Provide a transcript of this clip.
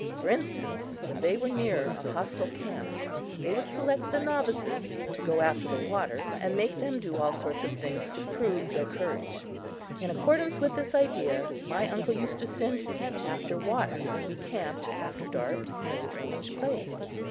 For instance, when they were near a hostile camp, they would select the novices to go after the water and make them do all sorts of things to prove their courage. In accordance with this idea, my uncle used to send me off after water when we camped after dark in a strange place.